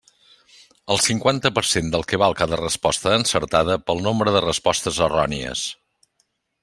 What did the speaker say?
El cinquanta per cent del que val cada resposta encertada pel nombre de respostes errònies.